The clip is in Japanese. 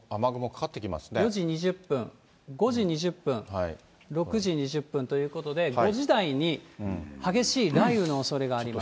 ４時２０分、５時２０分、６時２０分ということで、５時台に激しい雷雨のおそれがあります。